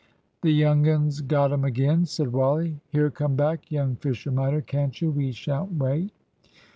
"The young un's got 'em again," said Wally. "Here, come back, young Fisher minor, can't you? We shan't wait."